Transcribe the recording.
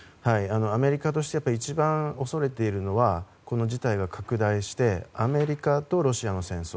アメリカとして一番恐れているのはこの事態が拡大してアメリカとロシアの戦争。